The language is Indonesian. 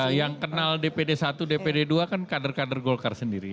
ya yang kenal dpd satu dpd dua kan kader kader golkar sendiri